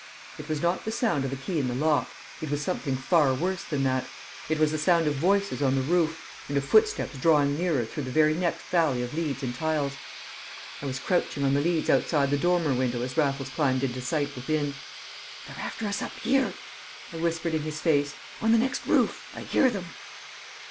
It was not the sound of a key in the lock. It was something far worse than that. It was the sound of voices on the roof, and of footsteps drawing nearer through the very next valley of leads and tiles. I was crouching on the leads outside the dormer window as Raffles climbed into sight within. "They're after us up here!" I whispered in his face. "On the next roof! I hear them!"